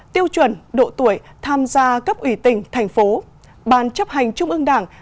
tiêu chuẩn độ tuổi tham gia cấp ủy tỉnh thành phố ban chấp hành trung ương đảng